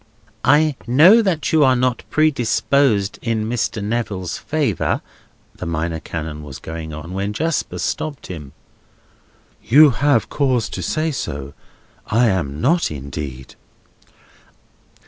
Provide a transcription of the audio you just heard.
"I know that you are not prepossessed in Mr. Neville's favour," the Minor Canon was going on, when Jasper stopped him: "You have cause to say so. I am not, indeed."